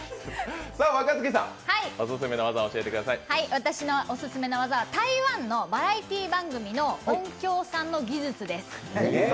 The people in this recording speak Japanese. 私のオススメの技は台湾のバラエティー番組の音響さんの技術です。